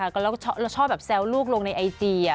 มันชอบแซวลูกลงในไอจี